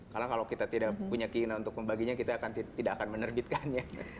karena kalau kita tidak punya keinginan untuk membaginya kita tidak akan menerbitkannya